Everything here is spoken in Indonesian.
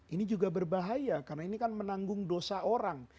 ini juga berbahaya karena ini kan menanggung dosa orang